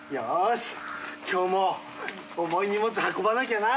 茵舛きょうも重い荷物運ばなきゃな。